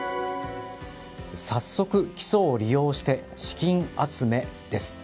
早速、起訴を利用して資金集めです。